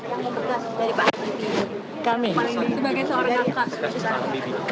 sebagai seorang anak bibi